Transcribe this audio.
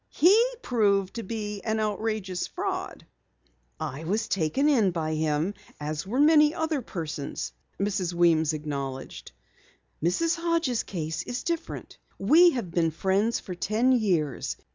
He proved to be an outrageous fraud." "I was taken in by him as were many other persons," Mrs. Weems acknowledged. "Mrs. Hodges' case is different. We have been friends for ten years.